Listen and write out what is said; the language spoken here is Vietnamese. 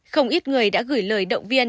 không ít người đã gửi lời động viên